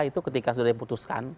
itu ketika sudah diputuskan